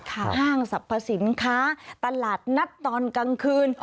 ห้างสรรพสินค้าตลาดนัดตอนกลางคืน